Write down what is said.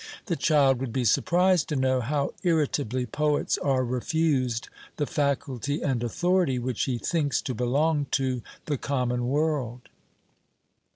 The child would be surprised to know how irritably poets are refused the faculty and authority which he thinks to belong to the common world.